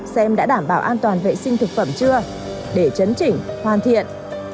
xem đã đảm bảo an toàn vệ sinh thực phẩm chưa để chấn chỉnh hoàn thiện